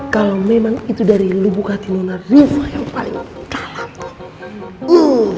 kalo memang itu dari lu buka hati nona riva yang paling kalah tuh